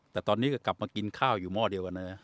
แต่ตอนนี้ก็กลับมากินข้าวอยู่หม้อเดียวกันนะ